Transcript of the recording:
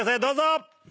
どうぞ！